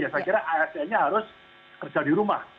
saya kira asnnya harus kerja di rumah